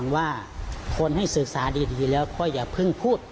ว่าคนให้ศึกษาดีแล้วก็อย่าเพิ่งพูด